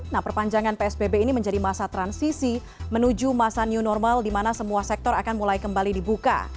nah perpanjangan psbb ini menjadi masa transisi menuju masa new normal di mana semua sektor akan mulai kembali dibuka